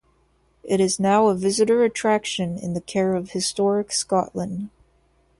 It is now a visitor attraction in the care of Historic Scotland.